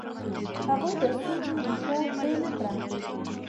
هغوی د ستونزو ریښه پرې نه کړه.